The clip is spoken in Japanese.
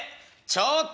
「ちょっと！